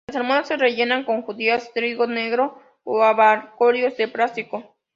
Las almohadas se rellenan con judías, trigo negro o abalorios de plástico.